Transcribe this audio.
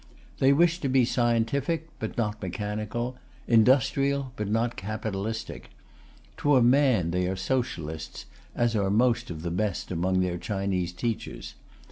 They wish to be scientific but not mechanical, industrial but not capitalistic. To a man they are Socialists, as are most of the best among their Chinese teachers.